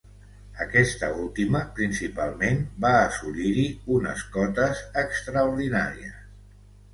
Aquesta última, principalment, va assolir-hi unes cotes extraordinàries.